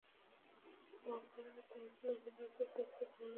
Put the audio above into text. Volga তার নারীবাদী সাহিত্যকর্মের জন্য বিখ্যাত।